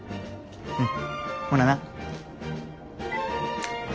うんほなな。